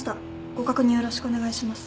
ご確認よろしくお願いします。